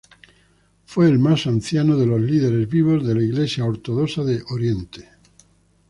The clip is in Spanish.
Fue el más anciano de los líderes vivos de la Iglesia Ortodoxa de Oriente.